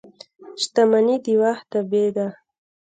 • شتمني د وخت تابع ده.